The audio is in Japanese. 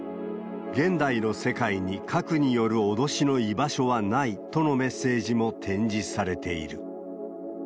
現代の世界に核による脅しの居場所はないとのメッセージも展示されている。